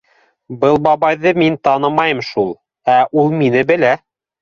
Был бабайҙы мин танымайым шул, ә ул мине белә.